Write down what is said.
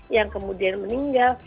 yang kemudian meninggal